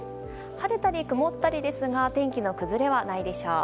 晴れたり曇ったりですが天気の崩れはないでしょう。